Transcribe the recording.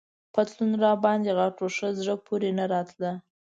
پتلون راباندي غټ وو، ښه زړه پورې نه راته.